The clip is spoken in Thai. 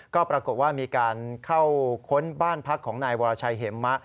ก็ปรากฏว่ามีการเข้าค้นบ้านพักของนายวรชัยเหมะ